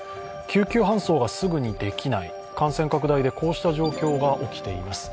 救急搬送がすぐにできない、感染拡大でこうした状況が起きています。